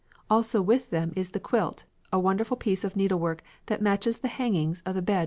Also with them is the quilt, a wonderful piece of needlework, that matches the hangings of the bed wherein she slept.